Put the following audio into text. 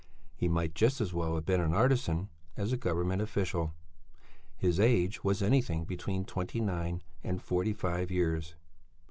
He might just as well have been an artisan as a government official; his age was anything between twenty nine and forty five years.